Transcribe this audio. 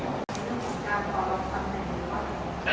คุณคุณจะขอรับศัพท์ในคุณวัน